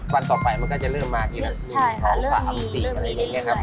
วันต่อไปมันก็จะเริ่มมาทีละ๑๒๓๔อะไรอย่างนี้ครับ